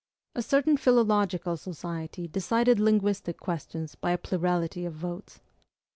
A certain philological society decided linguistic questions by a plurality of votes.